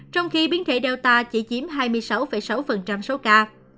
trong khi biến thể data chỉ chiếm hai mươi sáu sáu số ca